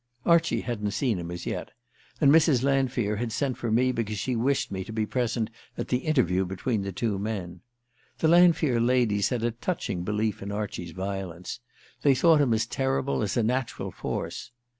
Archie hadn't seen him as yet; and Mrs. Lanfear had sent for me because she wished me to be present at the interview between the two men. The Lanfear ladies had a touching belief in Archie's violence: they thought him as terrible as a natural force.